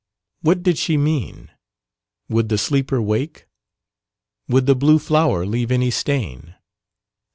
What did she mean? Would the sleeper wake? Would the blue flower leave any stain?